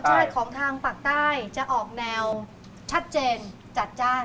ของทางปากใต้จะออกแนวชัดเจนจัดจ้าน